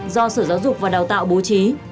do sở giáo dục và đào tạo bố trí